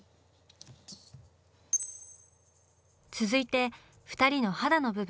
続いて２人の肌の部分。